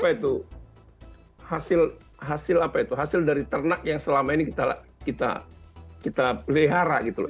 apa itu hasil apa itu hasil dari ternak yang selama ini kita pelihara gitu loh